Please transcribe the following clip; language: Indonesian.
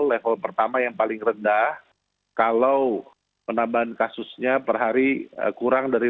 level pertama yang paling rendah kalau penambahan kasusnya per hari kurang dari